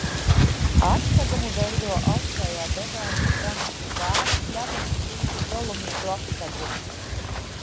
Atsegumu veido augšējā devona Franas stāva Pļaviņu svītas dolomītu atsegumi.